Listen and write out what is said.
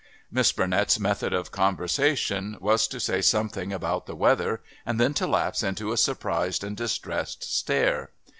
Miss Burnett's method of conversation was to say something about the weather and then to lapse into a surprised and distressed stare.